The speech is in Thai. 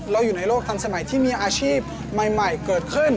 อยู่ในโลกทันสมัยที่มีอาชีพใหม่เกิดขึ้น